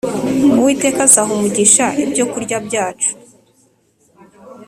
Uwiteka azaha umugisha ibyo kurya byacu